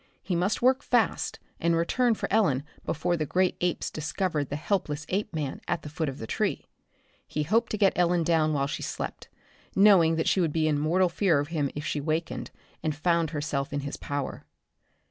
He must work fast, and return for Ellen before the great apes discovered the helpless Apeman at the foot of the tree. He hoped to get Ellen down while she slept, knowing that she would be in mortal fear of him if she wakened and found herself in his power.